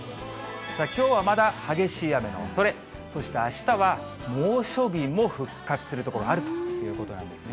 きょうはまだ激しい雨のおそれ、そしてあしたは猛暑日も復活する所があるということなんですね。